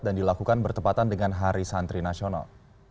dan dilakukan bertepatan dengan hari santri nasional